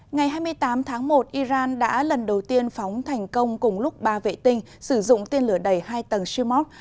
ngày hai mươi tám tháng một iran đã lần đầu tiên phóng thành công cùng lúc ba vệ tinh sử dụng tên lửa đầy hai tầng shimok